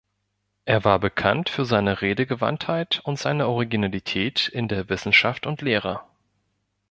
Er war bekannt für seine Redegewandtheit und seine Originalität in der Wissenschaft und Lehre.